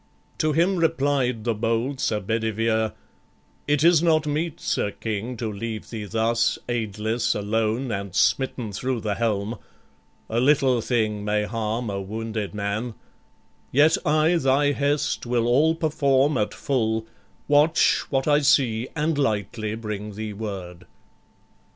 To him replied the bold Sir Bedivere: "It is not meet, Sir King, to leave thee thus, Aidless, alone, and smitten thro' the helm A little thing may harm a wounded man: Yet I thy hest will all perform at full, Watch what I see, and lightly bring thee word."